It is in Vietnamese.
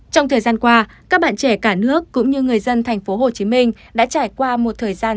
trong thời gian qua các bạn trẻ cả nước cũng như người dân thành phố hồ chí minh đã trải qua một thời gian